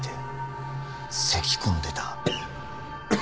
せき込んでた。